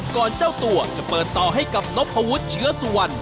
เจ้าตัวจะเปิดต่อให้กับนพวุฒิเชื้อสุวรรณ